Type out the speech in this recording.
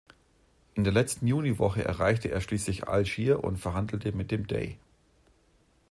In der letzten Juniwoche erreichte er schließlich Algier und verhandelte mit dem Dey.